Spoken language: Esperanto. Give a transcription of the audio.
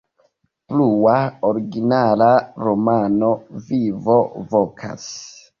Plua originala romano: "Vivo Vokas".